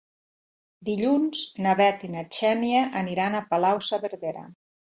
Dilluns na Bet i na Xènia aniran a Palau-saverdera.